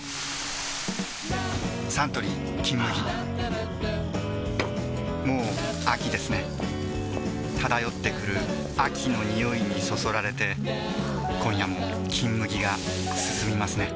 サントリー「金麦」もう秋ですね漂ってくる秋の匂いにそそられて今夜も「金麦」がすすみますね